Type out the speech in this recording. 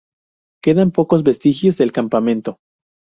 Quedan pocos vestigios del campamento.